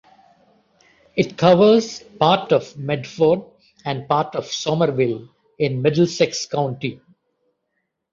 It covers part of Medford and part of Somerville in Middlesex County.